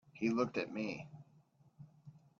He looked at me.